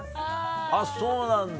あっそうなんだ。